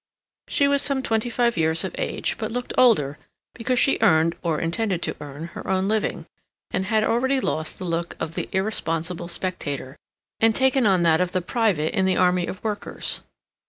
She was some twenty five years of age, but looked older because she earned, or intended to earn, her own living, and had already lost the look of the irresponsible spectator, and taken on that of the private in the army of workers.